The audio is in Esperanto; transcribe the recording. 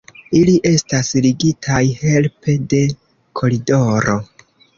Ili estas ligitaj helpe de koridoro.